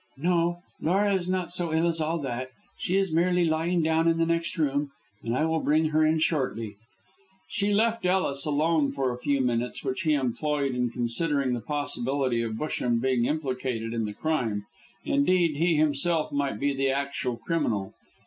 "No, Laura is not so ill as all that; she is merely lying down in the next room and I will bring her in shortly." She left Ellis alone for a few minutes, which he employed in considering the possibility of Busham being implicated in the crime indeed, he himself might be the actual criminal.